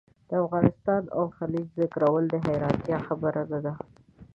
د افغان او خلج ذکرول د حیرانتیا خبره نه ده.